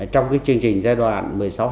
trong chương trình giai đoạn một mươi sáu